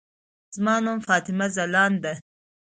زما نوم فاطمه ځلاند ده.